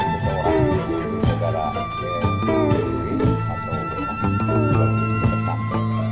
seseorang yaitu saudara cikgu atau bagi kita sama